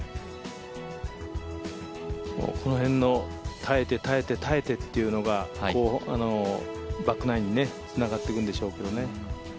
この辺の耐えて、耐えて、耐えてというのがバックナインにつながっていくんでしょうけどね。